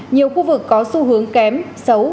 nhiều khu vực có xu hướng kém xấu